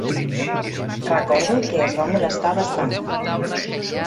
Recordo que es va molestar bastant.